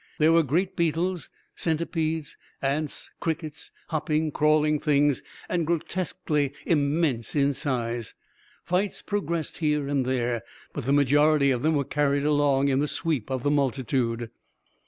There were great beetles, centipedes, ants, crickets, hopping, crawling things, and grotesquely immense in size. Fights progressed here and there, but the majority of them were carried along in the sweep of the multitude.